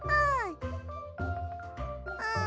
うん。